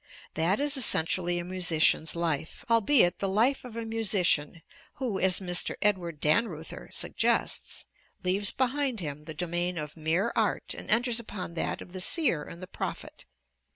That is essentially a musician's life; albeit the life of a musician who, as Mr. Edward Dannreuther suggests, leaves behind him the domain of mere art and enters upon that of the seer and the prophet.